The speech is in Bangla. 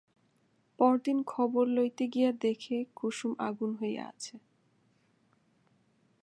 পরদিন খবর লইতে গিয়া দেখে কুসুম আগুন হইয়া আছে।